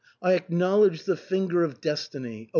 I acknowledge the finger of destiny.